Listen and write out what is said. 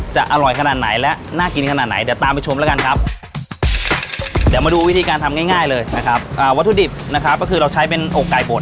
จะอร่อยขนาดไหนและน่ากินขนาดไหนเดี๋ยวตามไปชมแล้วกันครับ